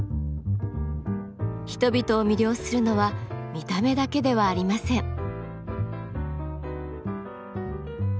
人々を魅了するのは見た目だけではありません。